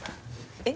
えっ？